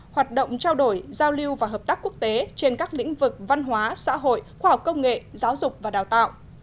hoạt động trao đổi giao lưu và hợp tác quốc tế trên các lĩnh vực văn hóa xã hội khoa học công nghệ giáo dục và đào tạo